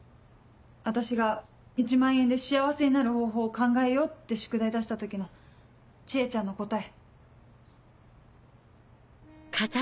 私が１万円で幸せになる方法を考えようって宿題出した時の知恵ちゃんの答え。